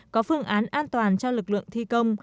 có phương án an toàn cho lực lượng thi công